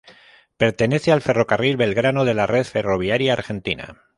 Pertenece al Ferrocarril Belgrano de la Red Ferroviaria Argentina.